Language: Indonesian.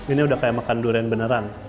ini udah kayak makan durian beneran